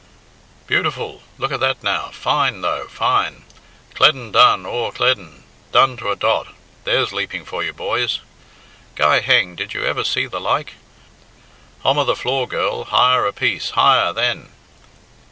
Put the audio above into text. "Beautiful! Look at that now! Fine, though, fine! Clane done, aw, clane! Done to a dot! There's leaping for you, boys! Guy heng, did you ever see the like? Hommer the floor, girl higher a piece! higher, then!